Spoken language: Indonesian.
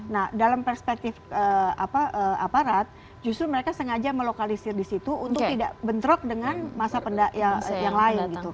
nah dalam perspektif aparat justru mereka sengaja melokalisir di situ untuk tidak bentrok dengan masa yang lain gitu